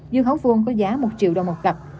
dư hấu vuông có giá một triệu đồng một cặp